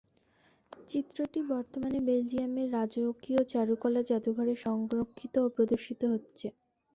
চিত্রটি বর্তমানে বেলজিয়ামের রাজকীয় চারুকলা জাদুঘরে সংরক্ষিত ও প্রদর্শিত হচ্ছে।